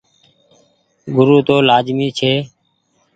گورو تو لآزمي ڇي۔